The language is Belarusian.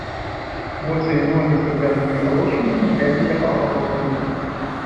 Босыя ногі з падвязанымі калошамі матляліся паабапал каня.